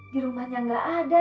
di rumahnya gak ada